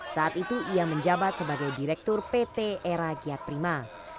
saat itu ia menjabat sebagai direktur pt era giat prima